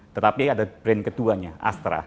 tetapi ada brand keduanya astra